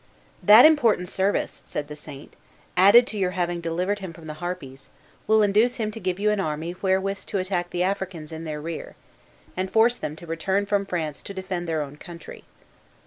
"That important service," said the saint, "added to your having delivered him from the Harpies, will induce him to give you an army wherewith to attack the Africans in their rear, and force them to return from France to defend their own country."